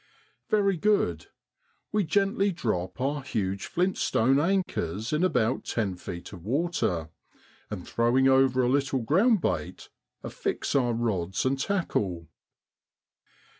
Very good. We gently drop our huge flintstone anchors in about ten feet of water, and throwing over a little ground bait, affix our rods and tackle.